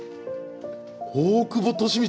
大久保利通